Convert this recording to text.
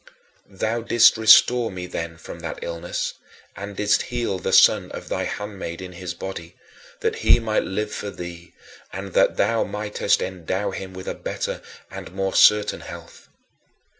CHAPTER X 18. Thou didst restore me then from that illness, and didst heal the son of thy handmaid in his body, that he might live for thee and that thou mightest endow him with a better and more certain health.